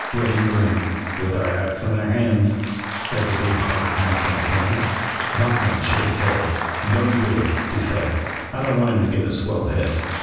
Regan grinned. "With our hats in our hands," said the big hearted master mechanic. Donkin shook his head. "Don't you do it," he said. "I don't want him to get a swelled head."